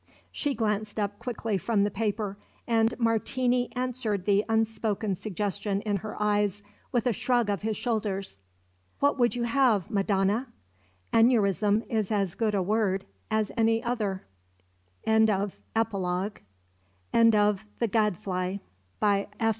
She glanced up quickly from the paper, and Martini answered the unspoken suggestion in her eyes with a shrug of his shoulders. "What would you have, Madonna? Aneurism is as good a word as any other." End of the Project Gutenberg EBook of The Gadfly, by E. L.